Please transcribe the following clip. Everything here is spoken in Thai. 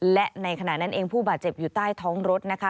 และในขณะนั้นเองผู้บาดเจ็บอยู่ใต้ท้องรถนะคะ